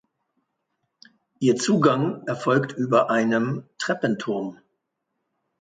Ihr Zugang erfolgt über einem Treppenturm.